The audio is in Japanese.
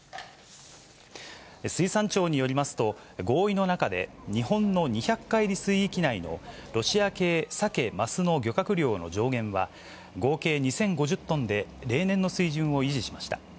水産庁によりますと、合意の中で、日本の２００海里水域内のロシア系サケ・マスの漁獲量の上限は、合計２０５０トンで、例年の水準を維持しました。